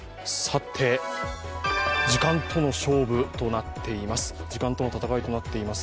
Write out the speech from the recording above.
さて、時間との戦いとなっています